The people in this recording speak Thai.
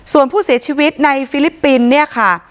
ส่วนผู้เสียชีวิตในฟิลิปปินส์เนี่ยค่ะ